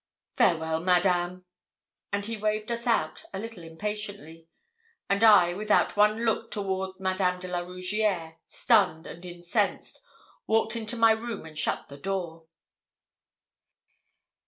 Farewell, Madame!' And he waved us out a little impatiently; and I, without one look toward Madame de la Rougierre, stunned and incensed, walked into my room and shut the door.